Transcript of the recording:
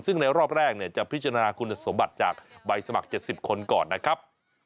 ซึ่งในรอบแรกจะพิจารณาคุณสมบัติจากใบสมัคร๗๐คนก่อนนะครับ